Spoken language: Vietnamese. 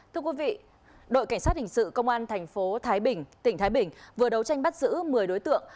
thưa quý vị đội cảnh sát hình sự công an thành phố thái bình tỉnh thái bình vừa đấu tranh bắt giữ một mươi đối tượng